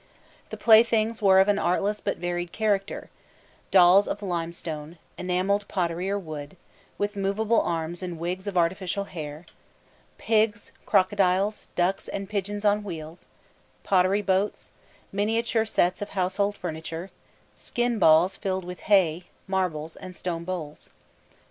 The playthings were of an artless but very varied character; dolls of limestone, enamelled pottery or wood, with movable arms and wigs of artificial hair; pigs, crocodiles, ducks, and pigeons on wheels, pottery boats, miniature sets of household furniture, skin balls filled with hay, marbles, and stone bowls.